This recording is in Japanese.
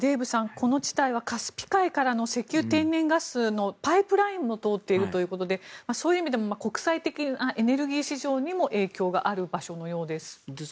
この地帯はカスピ海からの石油天然ガスのパイプラインも通っているということでそういう意味でも国際的なエネルギー市場にも影響がある場所のようです。